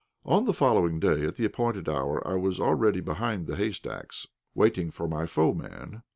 On the following day, at the appointed hour, I was already behind the haystacks, waiting for my foeman.